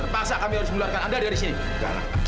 terpaksa kami harus meluarkan anda dari sini